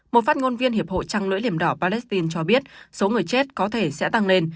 một phát ngôn viên hiệp hội trăng lưỡi liềm đỏ palestine cho biết số người chết có thể sẽ tăng lên